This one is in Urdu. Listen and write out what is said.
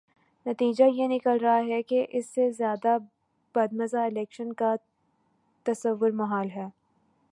نتیجہ یہ نکل رہا ہے کہ اس سے زیادہ بدمزہ الیکشن کا تصور محال ہے۔